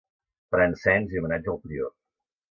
Faran cens i homenatge al prior.